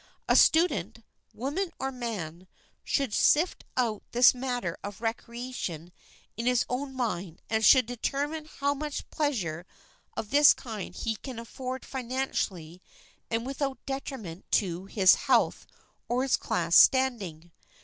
A student, woman or man, should sift out this matter of recreation in his own mind and should determine how much pleasure of this kind he can afford financially and without detriment to his health or his class standing.